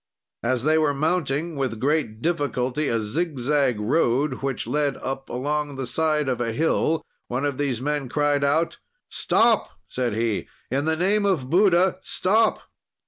"As they were mounting, with great difficulty, a zigzag road which led up along the side of a hill, one of these men cried out: "'Stop,' said he, 'in the name of Buddha, stop!'